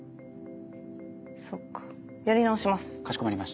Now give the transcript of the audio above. そっかやり直します。